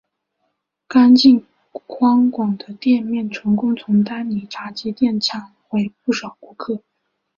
干净宽广的店面成功从丹尼炸鸡店抢回不少顾客。